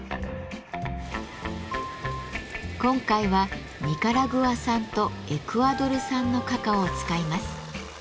今回はニカラグア産とエクアドル産のカカオを使います。